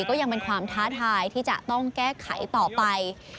ก็ยังเป็นความท้าทายที่จะต้องแก้ไขต่อไป